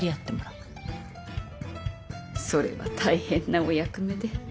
それは大変なお役目で。